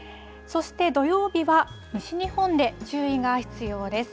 そして、土曜日は、西日本で注意が必要です。